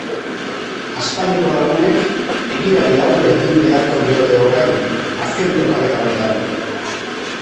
Aspaldiko lagunek egiari aurre egin beharko diote orain, azken topaketa honetan.